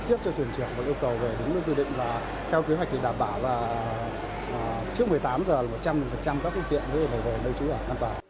trực tiếp cho thuyền truyền và yêu cầu về đúng lưu tư định và theo kế hoạch thì đảm bảo là trước một mươi tám h là một trăm linh các phương tiện với đầy đồ nơi trú ở an toàn